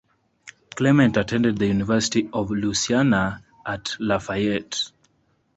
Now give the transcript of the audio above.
Clement attended the University of Louisiana at Lafayette.